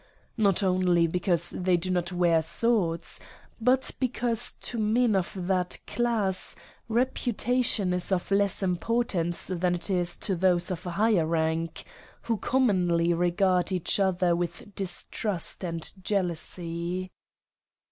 not only because they do not wear swords, but because to men of that class reputation is of less importance than it is to those of a higher rank, who commonly regard each other with dis trust and jealousy.